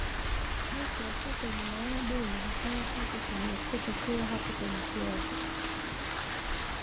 Jike akiwa kwenye mayai dume hufanya kazi ya kumletea chakula hapo kwenye kiota